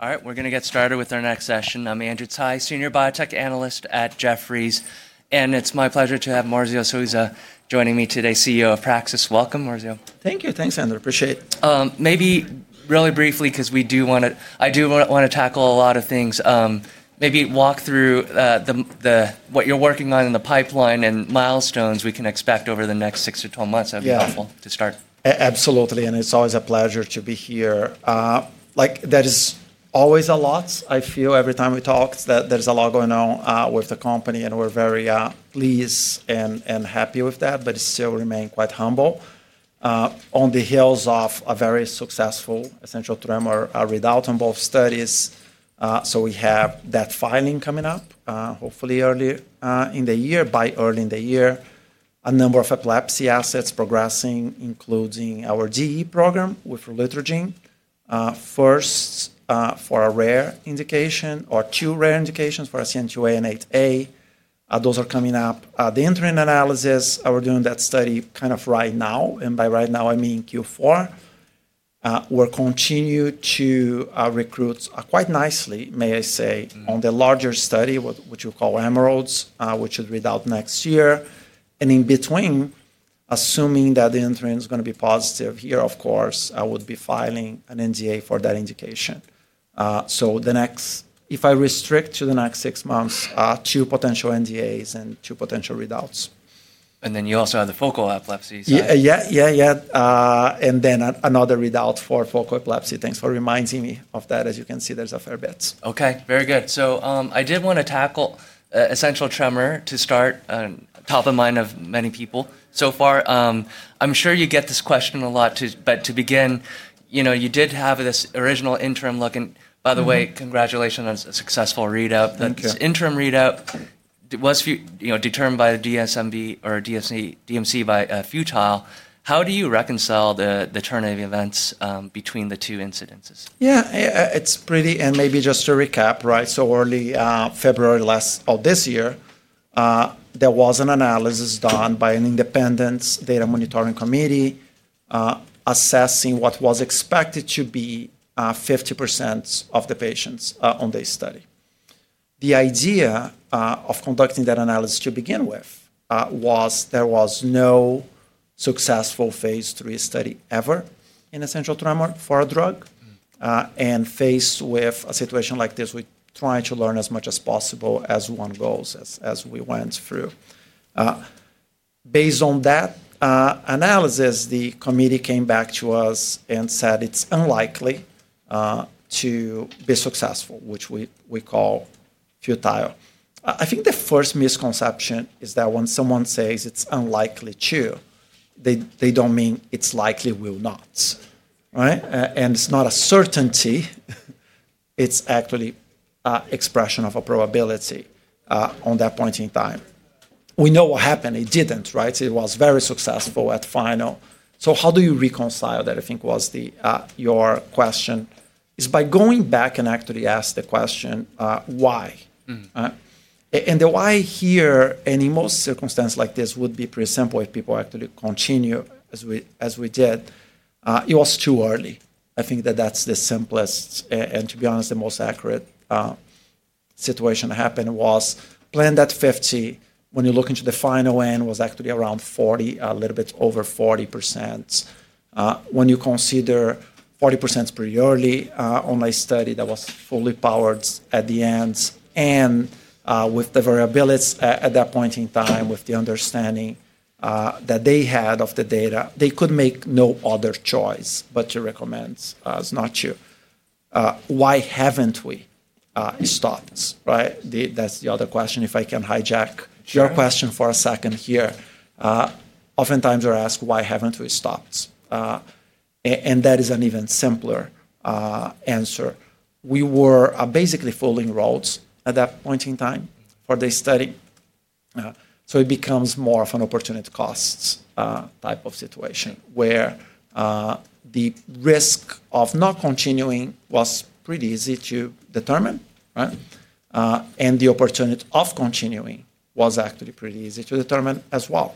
All right, we're going to get started with our next session. I'm Andrew Tsai, Senior Biotech Analyst at Jefferies, and it's my pleasure to have Marzso Souza joining me today, CEO of Praxis. Welcome, Marzio. Thank you. Thanks, Andrew. Appreciate it. Maybe really briefly, because we do want to—I do want to tackle a lot of things. Maybe walk through what you're working on in the pipeline and milestones we can expect over the next 6-12 months. That would be helpful to start. Absolutely. It's always a pleasure to be here. That is always a lot. I feel every time we talk that there's a lot going on with the company, and we're very pleased and happy with that, but still remain quite humble on the heels of a very successful essential tremor readout on both studies. We have that filing coming up, hopefully early in the year. By early in the year, a number of epilepsy assets progressing, including our GE program with relutrigine. First, for a rare indication or two rare indications for SCN2A and SCN8A, those are coming up. The interim analysis, we're doing that study kind of right now, and by right now, I mean Q4. We're continuing to recruit quite nicely, may I say, on the larger study, what you call Emerald, which should read out next year. In between, assuming that the interim is going to be positive here, of course, I would be filing an NDA for that indication. The next—if I restrict to the next six months, two potential NDAs and two potential readouts. You also have the focal epilepsy. Yeah, yeah. And then another readout for focal epilepsy. Thanks for reminding me of that. As you can see, there's a fair bit. Okay, very good. I did want to tackle essential tremor to start, top of mind of many people so far. I'm sure you get this question a lot, but to begin, you did have this original interim look, and by the way, congratulations on a successful readout. Thank you. This interim readout was determined by the DMC by futile. How do you reconcile the turn of events between the two incidences? Yeah, it's pretty—and maybe just to recap, right? Early February last of this year, there was an analysis done by an independent Data Monitoring Committee assessing what was expected to be 50% of the patients on this study. The idea of conducting that analysis to begin with was there was no successful phase three study ever in essential tremor for a drug. Faced with a situation like this, we try to learn as much as possible as one goes as we went through. Based on that analysis, the committee came back to us and said it's unlikely to be successful, which we call futile. I think the first misconception is that when someone says it's unlikely to, they don't mean it's likely will not, right? It's not a certainty. It's actually an expression of a probability on that point in time. We know what happened. It didn't, right? It was very successful at final. How do you reconcile that? I think what your question is, is by going back and actually asking the question, why? The why here, and in most circumstances like this, would be pretty simple if people actually continue as we did. It was too early. I think that that's the simplest and, to be honest, the most accurate situation that happened was planned at 50. When you look into the final end, it was actually around 40, a little bit over 40%. When you consider 40% pretty early on a study that was fully powered at the end and with the variabilities at that point in time, with the understanding that they had of the data, they could make no other choice but to recommend as not to. Why haven't we stopped, right? That's the other question. If I can hijack your question for a second here. Oftentimes we're asked, why haven't we stopped? That is an even simpler answer. We were basically fooling roads at that point in time for this study. It becomes more of an opportunity cost type of situation where the risk of not continuing was pretty easy to determine, right? The opportunity of continuing was actually pretty easy to determine as well.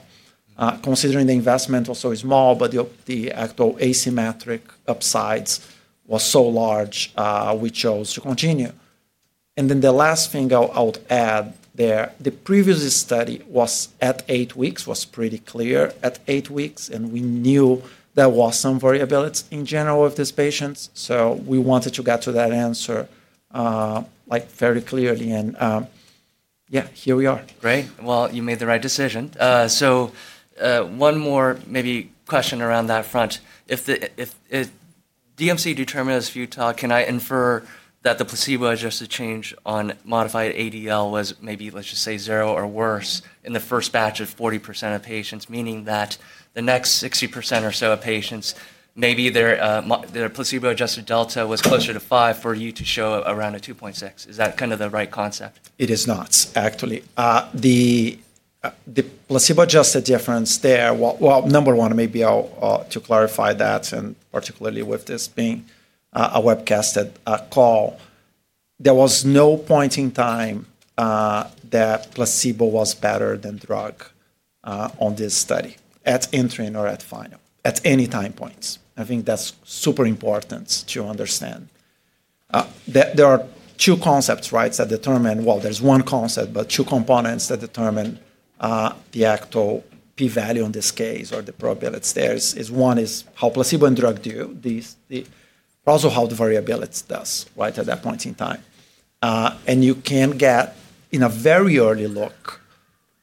Considering the investment was so small, but the actual asymmetric upsides were so large, we chose to continue. The last thing I would add there, the previous study was at eight weeks, was pretty clear at eight weeks, and we knew there was some variability in general with these patients. We wanted to get to that answer very clearly. Yeah, here we are. Great. You made the right decision. One more maybe question around that front. If DMC determined as futile, can I infer that the placebo-adjusted change on modified ADL was maybe, let's just say, zero or worse in the first batch of 40% of patients, meaning that the next 60% or so of patients, maybe their Placebo-adjusted delta was closer to five for you to show around a 2.6? Is that kind of the right concept? It is not, actually. The placebo adjusted difference there, number one, maybe to clarify that, and particularly with this being a webcasted call, there was no point in time that placebo was better than drug on this study at interim or at final, at any time points. I think that's super important to understand. There are two concepts, right, that determine, well, there's one concept, but two components that determine the actual p-value in this case or the probability there is one is how placebo and drug do, also how the variability does at that point in time. You can get in a very early look,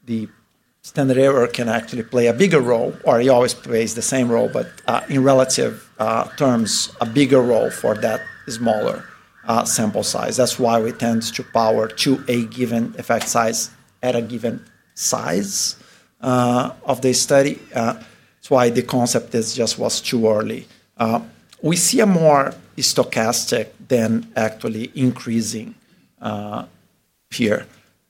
the standard error can actually play a bigger role or it always plays the same role, but in relative terms, a bigger role for that smaller sample size. That's why we tend to power to a given effect size at a given size of this study. That's why the concept just was too early. We see a more stochastic than actually increasing here.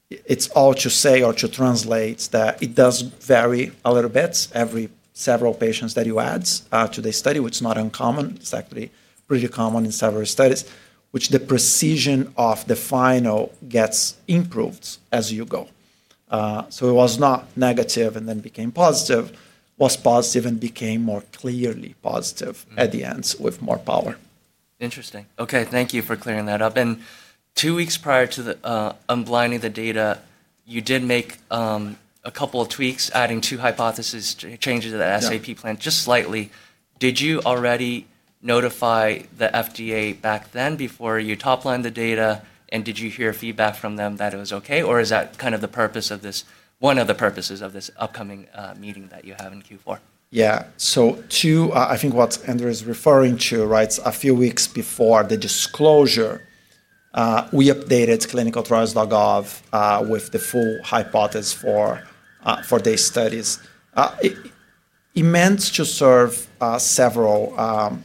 It's all to say or to translate that it does vary a little bit every several patients that you add to the study, which is not uncommon. It's actually pretty common in several studies, which the precision of the final gets improved as you go. It was not negative and then became positive, it was positive and became more clearly positive at the end with more power. Interesting. Okay, thank you for clearing that up. Two weeks prior to unblinding the data, you did make a couple of tweaks, adding two hypotheses, changes to that SAP plan just slightly. Did you already notify the FDA back then before you toplined the data? Did you hear feedback from them that it was okay? Is that kind of the purpose of this, one of the purposes of this upcoming meeting that you have in Q4? Yeah. Two, I think what Andrew is referring to, right, a few weeks before the disclosure, we updated clinicaltrials.gov with the full hypothesis for these studies. It meant to serve several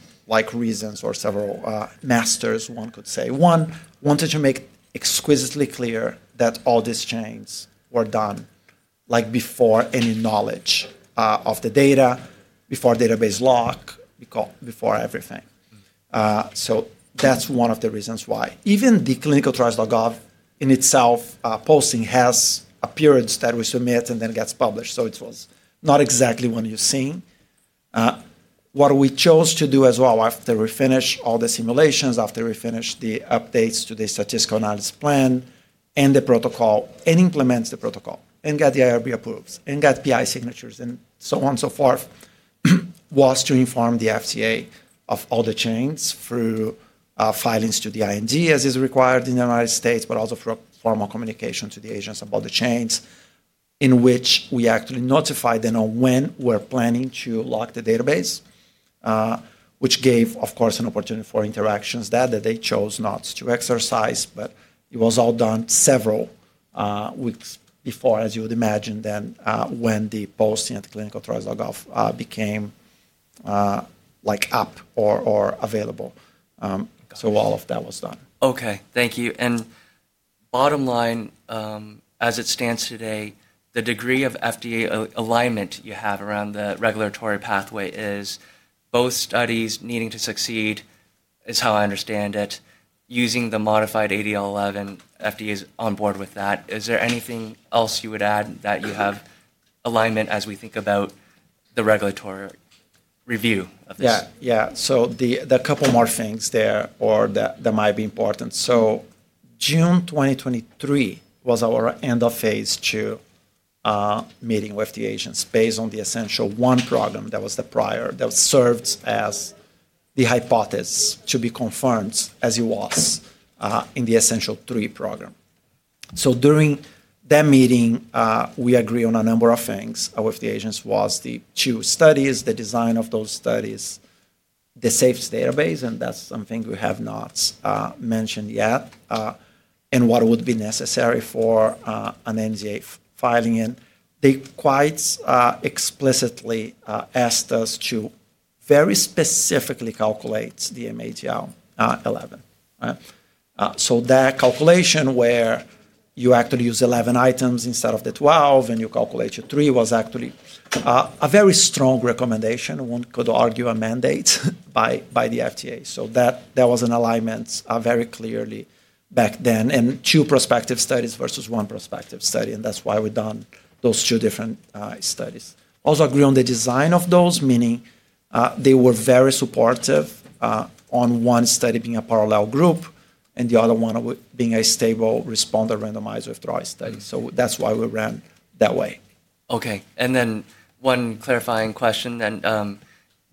reasons or several masters, one could say. One wanted to make exquisitely clear that all these changes were done before any knowledge of the data, before database lock, before everything. That is one of the reasons why even the clinicaltrials.gov in itself posting has a period that we submit and then gets published. It was not exactly what you are seeing. What we chose to do as well after we finished all the simulations, after we finished the updates to the statistical analysis plan and the protocol and implement the protocol and get the IRB approved and get PI signatures and so on and so forth was to inform the FDA of all the changes through filings to the IND as is required in the United States, but also through formal communication to the agency about the changes in which we actually notified them on when we're planning to lock the database, which gave, of course, an opportunity for interactions that they chose not to exercise, but it was all done several weeks before, as you would imagine then, when the posting at clinicaltrials.gov became up or available. All of that was done. Okay, thank you. Bottom line, as it stands today, the degree of FDA alignment you have around the regulatory pathway is both studies needing to succeed is how I understand it, using the modified ADL 11, FDA is on board with that. Is there anything else you would add that you have alignment as we think about the regulatory review of this? Yeah, yeah. There are a couple more things there that might be important. June 2023 was our end of phase 2 meeting with the agency based on the Essential1 program that was the prior that served as the hypothesis to be confirmed as it was in the Essential3 program. During that meeting, we agreed on a number of things with the agency: the two studies, the design of those studies, the safety database, and that's something we have not mentioned yet, and what would be necessary for an NDA filing. They quite explicitly asked us to very specifically calculate the mADL 11. That calculation, where you actually use 11 items instead of the 12 and you calculate your three, was actually a very strong recommendation. One could argue a mandate by the FDA. That was an alignment very clearly back then and two prospective studies versus one prospective study. That is why we have done those two different studies. Also agree on the design of those, meaning they were very supportive on one study being a parallel group and the other one being a stable responder randomized withdrawal study. That is why we ran that way. Okay. One clarifying question,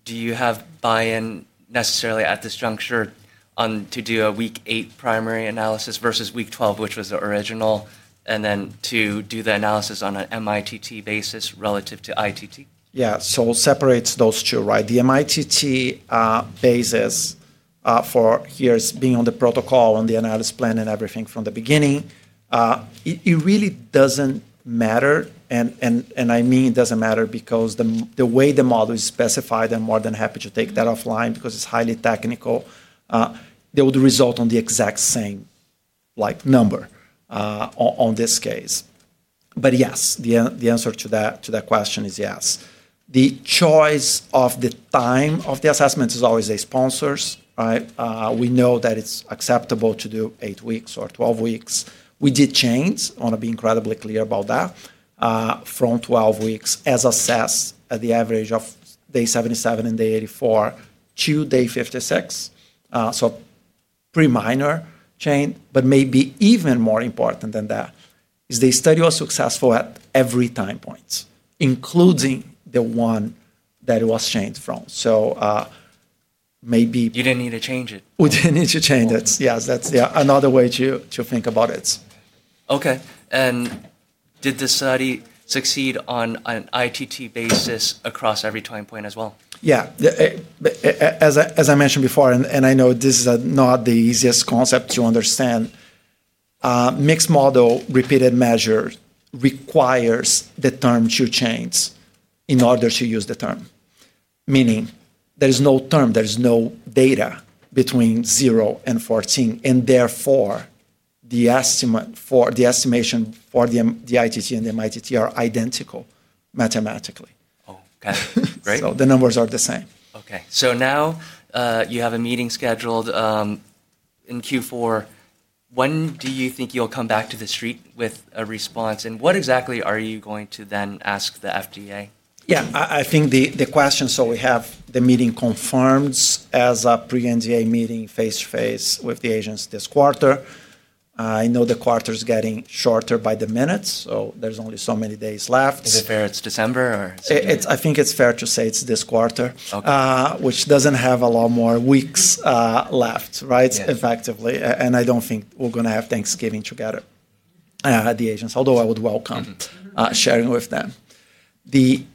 do you have buy-in necessarily at this juncture to do a week eight primary analysis versus week 12, which was the original, and then to do the analysis on an MITT basis relative to ITT? Yeah, so it separates those two, right? The MITT basis for years being on the protocol and the analysis plan and everything from the beginning, it really doesn't matter. I mean, it doesn't matter because the way the model is specified, I'm more than happy to take that offline because it's highly technical. They would result on the exact same number in this case. Yes, the answer to that question is yes. The choice of the time of the assessment is always a sponsor's, right? We know that it's acceptable to do eight weeks or 12 weeks. We did change, and being incredibly clear about that, from 12 weeks as assessed at the average of day 77 and day 84 to day 56. Pretty minor change, but maybe even more important than that is the study was successful at every time point, including the one that it was changed from. So maybe. You did not need to change it. We did not need to change it. Yes, that is another way to think about it. Okay. Did the study succeed on an ITT basis across every time point as well? Yeah. As I mentioned before, and I know this is not the easiest concept to understand, mixed model repeated measure requires the term two chains in order to use the term, meaning there is no term, there's no data between zero and 14, and therefore the estimate for the estimation for the ITT and the MITT are identical mathematically. Oh, okay. Great. The numbers are the same. Okay. So now you have a meeting scheduled in Q4. When do you think you'll come back to the street with a response? And what exactly are you going to then ask the FDA? Yeah, I think the question, so we have the meeting confirmed as a pre-NDA meeting face-to-face with the agents this quarter. I know the quarter is getting shorter by the minute, so there's only so many days left. Is it fair it's December or? I think it's fair to say it's this quarter, which doesn't have a lot more weeks left, right? Effectively. I don't think we're going to have Thanksgiving together at the agents, although I would welcome sharing with them. The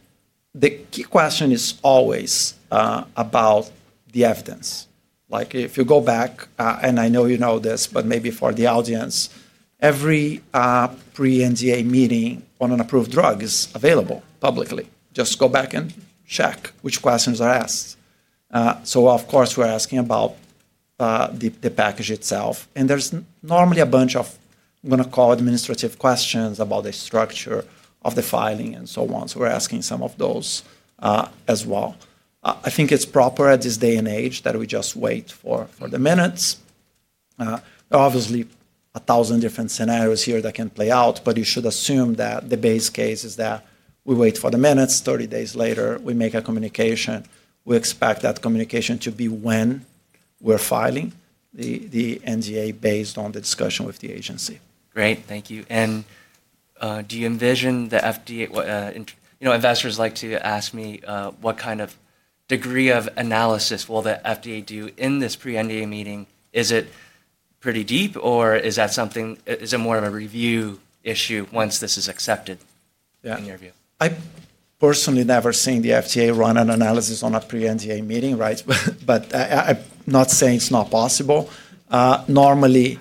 key question is always about the evidence. If you go back, and I know you know this, but maybe for the audience, every pre-NDA meeting on an approved drug is available publicly. Just go back and check which questions are asked. Of course we're asking about the package itself. There's normally a bunch of, I'm going to call it administrative questions about the structure of the filing and so on. We're asking some of those as well. I think it's proper at this day and age that we just wait for the minutes. Obviously, a thousand different scenarios here that can play out, but you should assume that the base case is that we wait for the minutes. Thirty days later, we make a communication. We expect that communication to be when we're filing the NDA based on the discussion with the agency. Great. Thank you. Do you envision the FDA? Investors like to ask me what kind of degree of analysis will the FDA do in this pre-NDA meeting? Is it pretty deep or is that something, is it more of a review issue once this is accepted in your view? I personally never seen the FDA run an analysis on a pre-NDA meeting, right? I am not saying it is not possible. Normally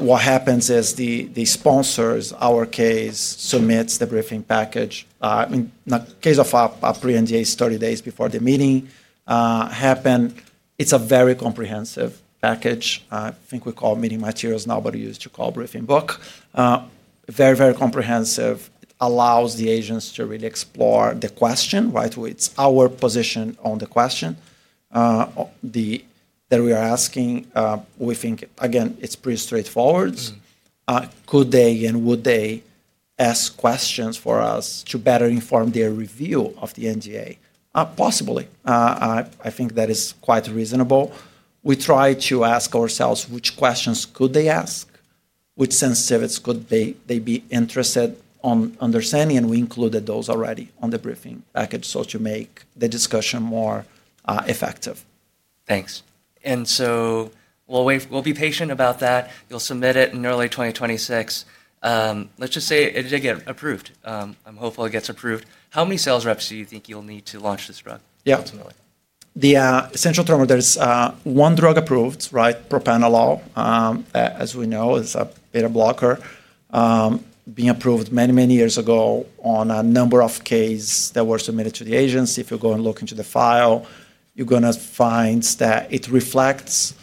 what happens is the sponsors, our case, submits the briefing package. In the case of a pre-NDA, 30 days before the meeting happens, it is a very comprehensive package. I think we call meeting materials now, but we used to call briefing book. Very, very comprehensive. It allows the agents to really explore the question, right? It is our position on the question that we are asking. We think, again, it is pretty straightforward. Could they and would they ask questions for us to better inform their review of the NDA? Possibly. I think that is quite reasonable. We try to ask ourselves which questions could they ask, which sensitivities could they be interested in understanding, and we included those already on the briefing package to make the discussion more effective. Thanks. We'll be patient about that. You'll submit it in early 2026. Let's just say it did get approved. I'm hopeful it gets approved. How many sales reps do you think you'll need to launch this drug ultimately? Yeah. The essential tremor, there's one drug approved, right? Propranolol, as we know, is a beta blocker being approved many, many years ago on a number of cases that were submitted to the agency. If you go and look into the file, you're going to find that it reflects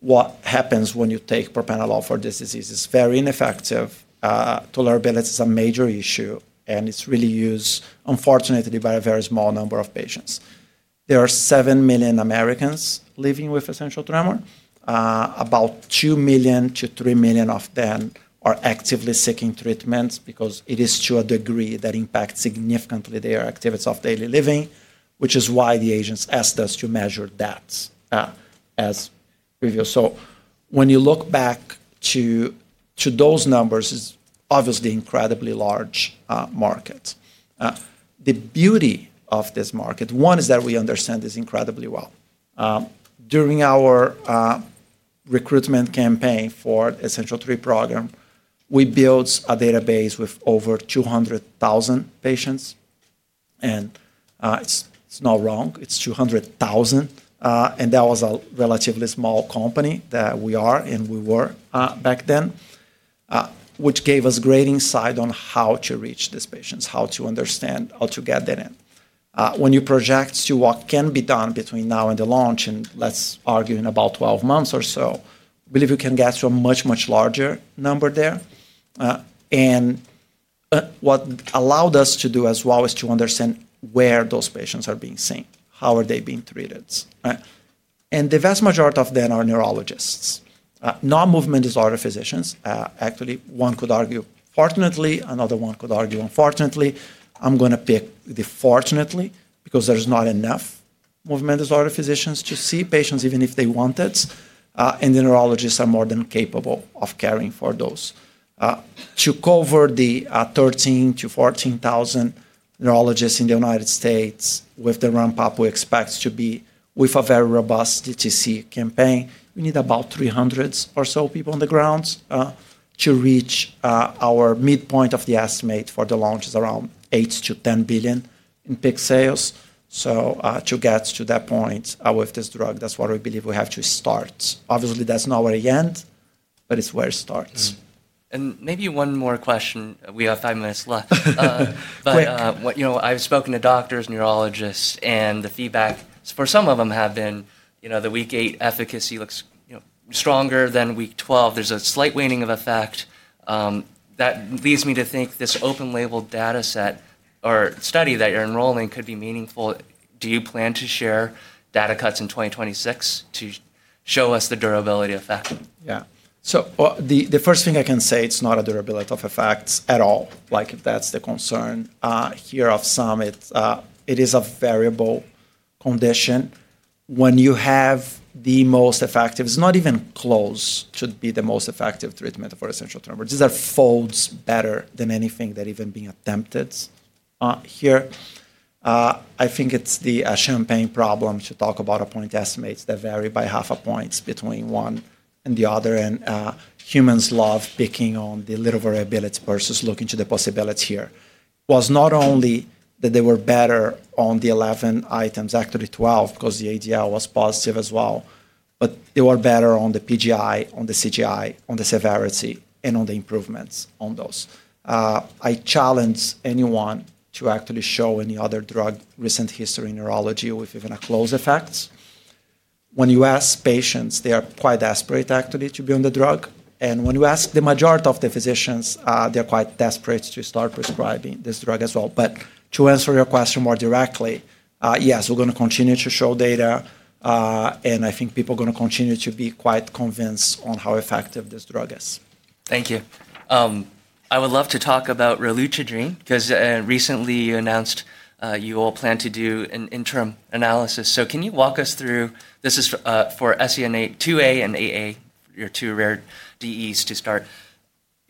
what happens when you take propranolol for this disease. It's very ineffective. Tolerability is a major issue, and it's really used, unfortunately, by a very small number of patients. There are 7 million Americans living with essential tremor. About 2 million-3 million of them are actively seeking treatments because it is to a degree that impacts significantly their activities of daily living, which is why the agency asked us to measure that as previous. When you look back to those numbers, it's obviously an incredibly large market. The beauty of this market, one is that we understand this incredibly well. During our recruitment campaign for the Essential3 program, we built a database with over 200,000 patients. And it's not wrong. It's 200,000. That was a relatively small company that we are and we were back then, which gave us great insight on how to reach these patients, how to understand, how to get there. When you project to what can be done between now and the launch, and let's argue in about 12 months or so, I believe we can get to a much, much larger number there. What allowed us to do as well is to understand where those patients are being seen, how are they being treated. The vast majority of them are neurologists, non-movement disorder physicians. Actually, one could argue fortunately, another one could argue unfortunately. I'm going to pick the fortunately because there's not enough movement disorder physicians to see patients even if they want it. And the neurologists are more than capable of caring for those. To cover the 13,000-14,000 neurologists in the United States with the ramp up, we expect to be with a very robust DTC campaign. We need about 300 or so people on the ground to reach our midpoint of the estimate for the launch is around $8 billion-$10 billion in peak sales. To get to that point with this drug, that's what we believe we have to start. Obviously, that's not where you end, but it's where it starts. Maybe one more question. We have five minutes left. I've spoken to doctors, neurologists, and the feedback for some of them has been the week eight efficacy looks stronger than week 12. There's a slight waning of effect. That leads me to think this open label data set or study that you're enrolling could be meaningful. Do you plan to share data cuts in 2026 to show us the durability effect? Yeah. The first thing I can say, it's not a durability of effect at all, like if that's the concern here of summit, it is a variable condition. When you have the most effective, it's not even close to be the most effective treatment for essential tremor. These are folds better than anything that even being attempted here. I think it's the champagne problem to talk about point estimates that vary by half a point between one and the other. Humans love picking on the little variability versus looking to the possibilities here. It was not only that they were better on the 11 items, actually 12, because the ADL was positive as well, but they were better on the PGI, on the CGI, on the severity, and on the improvements on those. I challenge anyone to actually show any other drug in recent history in neurology with even a close effect. When you ask patients, they are quite desperate actually to be on the drug. When you ask the majority of the physicians, they are quite desperate to start prescribing this drug as well. To answer your question more directly, yes, we are going to continue to show data. I think people are going to continue to be quite convinced on how effective this drug is. Thank you. I would love to talk about relutrigine because recently you announced you all plan to do an interim analysis. Can you walk us through this is for SCN2A and AA, your two rare DEEs to start.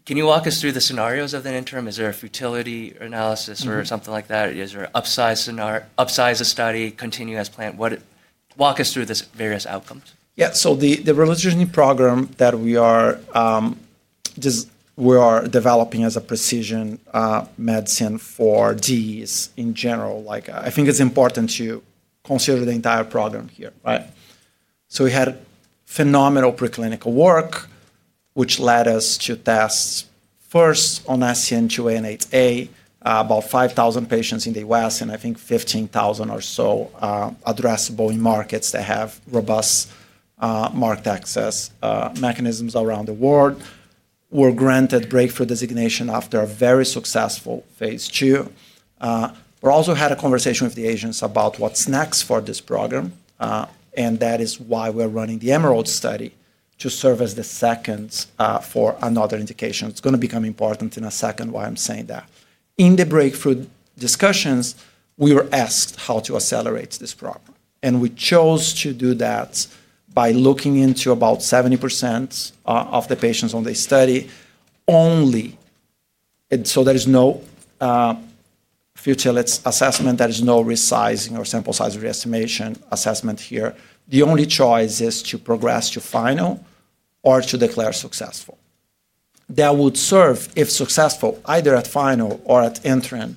Can you walk us through the scenarios of the interim? Is there a futility analysis or something like that? Is there an upsize study? Continue as planned? Walk us through the various outcomes. Yeah. So the relutrigine program that we are developing as a precision medicine for DEEs in general, I think it's important to consider the entire program here, right? We had phenomenal preclinical work, which led us to test first on SCN2A and SCN8A, about 5,000 patients in the U.S., and I think 15,000 or so addressable in markets that have robust market access mechanisms around the world. We were granted breakthrough designation after a very successful phase two. We also had a conversation with the agency about what's next for this program. That is why we're running the Emerald study to serve as the second for another indication. It's going to become important in a second why I'm saying that. In the breakthrough discussions, we were asked how to accelerate this program. We chose to do that by looking into about 70% of the patients on the study only. There is no futility assessment. There is no resizing or sample size re-estimation assessment here. The only choice is to progress to final or to declare successful. That would serve if successful either at final or at interim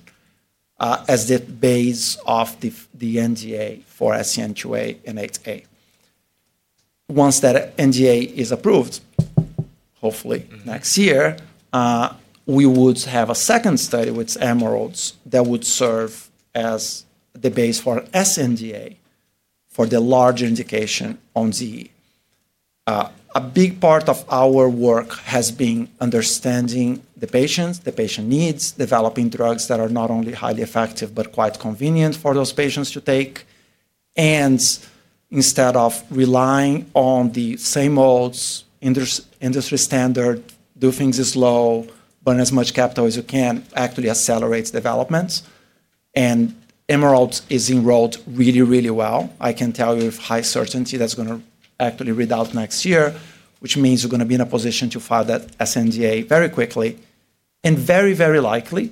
as the base of the NDA for SCN2A and 8A. Once that NDA is approved, hopefully next year, we would have a second study with Emerald that would serve as the base for sNDA for the larger indication on Z. A big part of our work has been understanding the patients, the patient needs, developing drugs that are not only highly effective, but quite convenient for those patients to take. Instead of relying on the same old industry standard, do things is low, burn as much capital as you can, actually accelerates developments. Emerald Study is enrolled really, really well. I can tell you with high certainty that is going to actually read out next year, which means you are going to be in a position to file that sNDA very quickly and very, very likely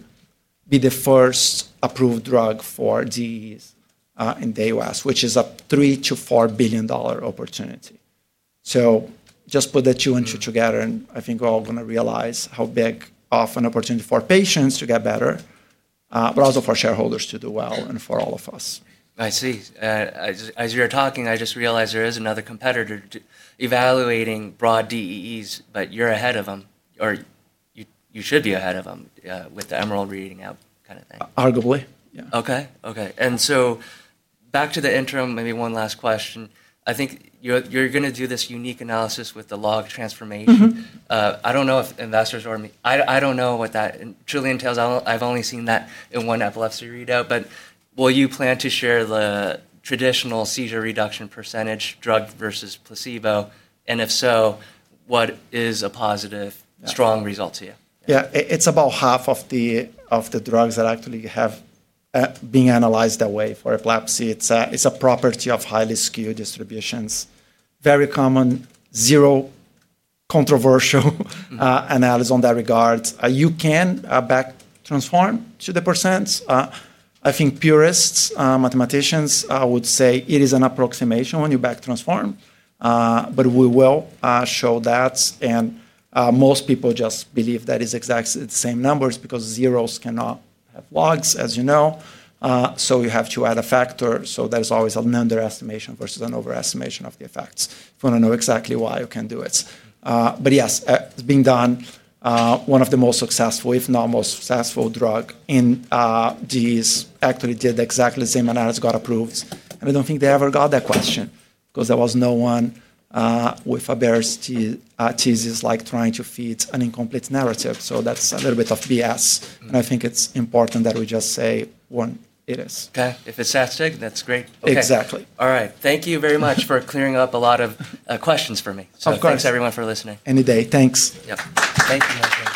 be the first approved drug for DEEs in the U.S., which is a $3 billion-$4 billion opportunity. Just put the two and two together, and I think we are all going to realize how big of an opportunity for patients to get better, but also for shareholders to do well and for all of us. I see. As you're talking, I just realized there is another competitor evaluating broad DEEs, but you're ahead of them, or you should be ahead of them with the Emerald reading out kind of thing. Arguably, yeah. Okay. Okay. Back to the interim, maybe one last question. I think you're going to do this unique analysis with the log transformation. I don't know if investors are in me, I don't know what that truly entails. I've only seen that in one epilepsy readout, but will you plan to share the traditional seizure reduction percentage drug versus placebo? If so, what is a positive, strong result to you? Yeah. It's about half of the drugs that actually have been analyzed that way for epilepsy. It's a property of highly skewed distributions. Very common, zero controversial analysis on that regard. You can back transform to the percents. I think purists, mathematicians would say it is an approximation when you back transform, but we will show that. Most people just believe that is exactly the same numbers because zeros cannot have logs, as you know. You have to add a factor. There's always an underestimation versus an overestimation of the effects. If you want to know exactly why you can do it. Yes, it's being done. One of the most successful, if not most successful drug in DEEs actually did exactly the same analysis, got approved. I do not think they ever got that question because there was no one with a bare thesis like trying to feed an incomplete narrative. That is a little bit of BS. I think it is important that we just say when it is. Okay. If it's that strict, that's great. Okay. Exactly. All right. Thank you very much for clearing up a lot of questions for me. Of course. Thanks everyone for listening. Any day. Thanks. Yep. Thank you, Marco..